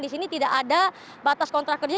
di sini tidak ada batas kontrak kerja